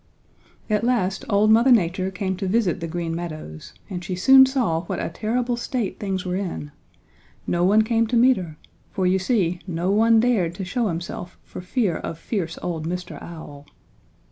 "At last old Mother Nature came to visit the Green Meadows and she soon saw what a terrible state things were in. No one came to meet her, for you see no one dared to show himself for fear of fierce old Mr. Owl.